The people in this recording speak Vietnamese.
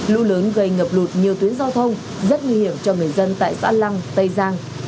lũ lớn gây ngập lụt nhiều tuyến giao thông rất nguy hiểm cho người dân tại xã lăng tây giang